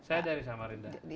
saya dari samarinda